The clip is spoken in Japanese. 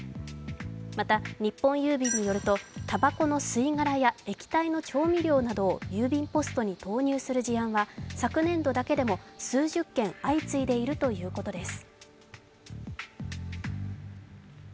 また日本郵便によるとたばこの吸い殻や液体の調味料などを郵便ポストに投入する事案は昨年度だけでも数十件相次いでいるということです。